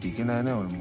俺も。